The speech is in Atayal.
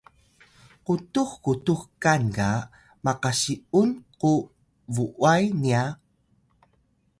qutuxqutux kal ga makasiun ku’ buway niya’?